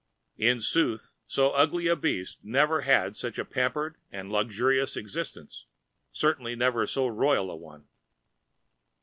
In sooth so ugly a beast never had such a pampered and luxurious ex[Pg 225]istence, certainly never so royal a one.